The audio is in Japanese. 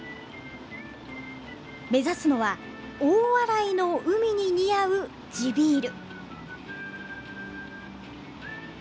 目指すのは大洗の海に似合う地ビール。